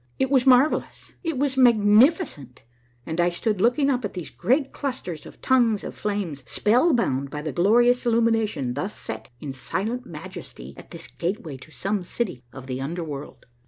It was marvellous, it was magnificent, and I stood looking up at these great clusters of tongues of flames, spellbound by the glorious illumination thus set in silent majesty at this gate way to some city of the under World.